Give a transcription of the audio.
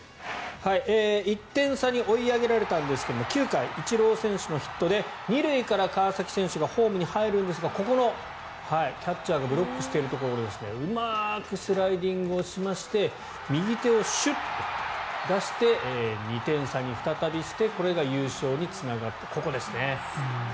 １点差に追い上げられたんですが９回イチロー選手のヒットで２塁から川崎選手がホームに入るんですがここ、キャッチャーがブロックしているところうまくスライディングしまして右手をシュッと出して２点差に再びしてこれが優勝につながってここですね。